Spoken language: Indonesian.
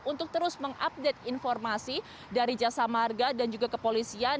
untuk terus mengupdate informasi dari jasa marga dan juga kepolisian